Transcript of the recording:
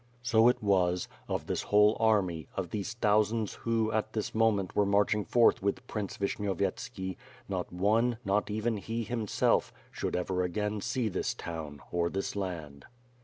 So it was; of this whole army, of these thousands who, at this moment were marching forth with Prince Vishnyovyet ski, not one, not even he, himself, should ever again see this town, or this land.